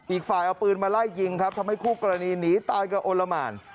อีกฝ่ายเอาปืนมาไล่ยิงครับทำให้คู่กรณีหนีตายกับโอละหมาน